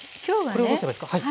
これをどうすればいいですか？